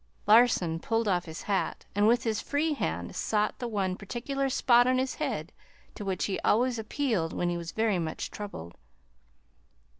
Larson pulled off his hat and with his free hand sought the one particular spot on his head to which he always appealed when he was very much troubled.